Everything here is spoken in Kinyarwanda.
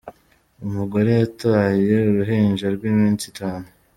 Umugore yataye uruhinja rw’iminsi itanu